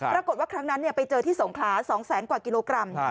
ครั้งนั้นไปเจอที่สงขลา๒แสนกว่ากิโลกรัม